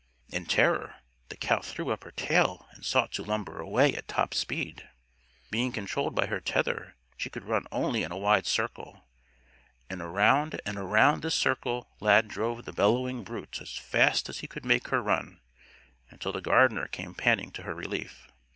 In terror, the cow threw up her tail and sought to lumber away at top speed. Being controlled by her tether she could run only in a wide circle. And around and around this circle Lad drove the bellowing brute as fast as he could make her run, until the gardener came panting to her relief.